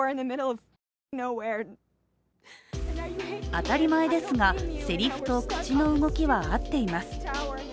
当たり前ですが、せりふと口の動きは合っています。